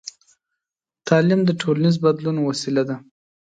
تعلیم د ټولنیز بدلون وسیله ده.